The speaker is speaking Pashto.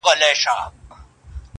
• لا په لاس یې جوړوله اسبابونه -